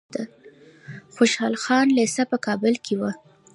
خوشحال خان لیسه په کابل کې وه.